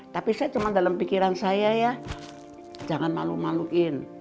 tapi saya cuma dalam pikiran saya ya jangan malu maluin